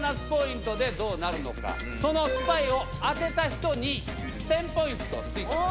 そのスパイを当てた人に１，０００ポイントを追加。